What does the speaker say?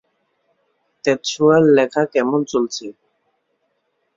তেতসুয়ার লেখা কেমন চলছে?